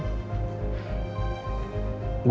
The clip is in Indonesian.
ya kita masih berhubungan